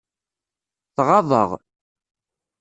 Tɣaḍ-aɣ.